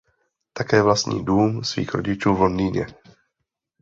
Také vlastní dům svých rodičů v Londýně.